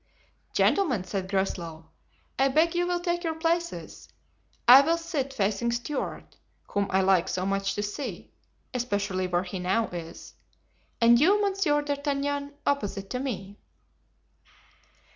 "Gentlemen," said Groslow, "I beg you will take your places. I will sit facing Stuart, whom I like so much to see, especially where he now is, and you, Monsieur d'Artagnan, opposite to me."